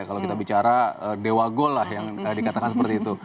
kalau kita bicara dewa gol lah yang dikatakan seperti itu